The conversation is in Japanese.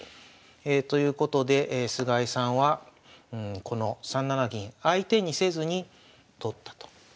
ということで菅井さんはこの３七銀相手にせずに取ったと。